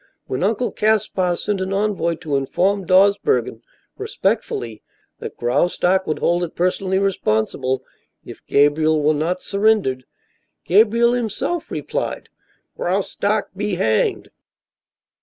When Uncle Caspar sent an envoy to inform Dawsbergen respectfully that Graustark would hold it personally responsible if Gabriel were not surrendered, Gabriel himself replied: 'Graustark be hanged!'"